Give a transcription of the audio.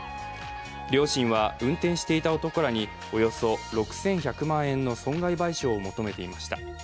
両親は運転していた男らにおよそ６１００万円の損害賠償を求めていました。